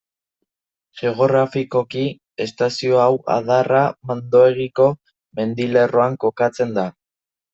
Geografikoki estazio hau Adarra-Mandoegiko mendilerroan kokatzen da.